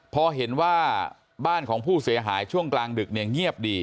พอเห็นว่าบ้านของผู้เสียหายช่วงกลางดึกเนี่ยเงียบดี